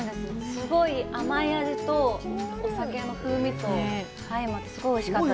すごい甘い味とお酒の風味とあいまって相まってすごいおいしかったです。